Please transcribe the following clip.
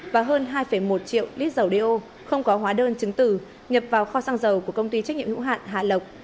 và hơn hai một triệu lít dầu đeo không có hóa đơn chứng từ nhập vào kho xăng dầu của công ty trách nhiệm nữ hạn hà lộc